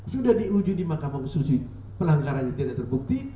sudah diuji di mahkamah konstitusi pelanggarannya tidak terbukti